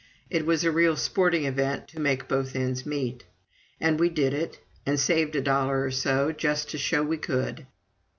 It was a real sporting event to make both ends meet! And we did it, and saved a dollar or so, just to show we could.